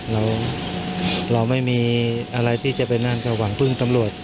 เราไม่มีอะไรที่จะไปนั่นก็หวังพึ่งตำรวจ